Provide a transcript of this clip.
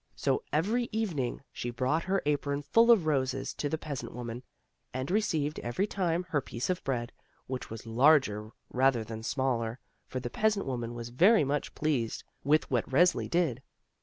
So every evening she brought her apron full of roses to the peasant woman, and received every time her piece of bread, which was larger rather than smaller, for the peasant woman was very much pleased with what Resli did.